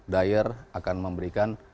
dyer akan memberikan